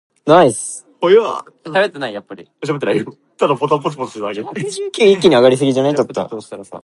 Following Steamtown's departure, several tourist trains using the original Rutland rolling stock were operated.